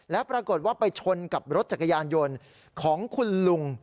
และปรากฏว่าไปชนกับรถจักรยานยนต์ของคุณลุง